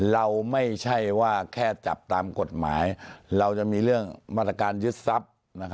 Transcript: เราไม่ใช่ว่าแค่จับตามกฎหมายเราจะมีเรื่องมาตรการยึดทรัพย์